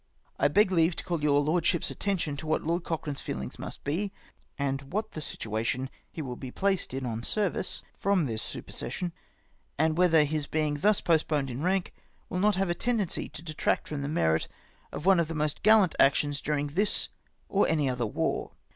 " I beg leave to call your Lordship's attention to what Lord Cochrane's feelings must be, and what the situation he will be placed in on service from this supersession ; and whether his being thus postponed in rank will not have a tendency to detract from the merit of one of the most gallant actions during this or any other war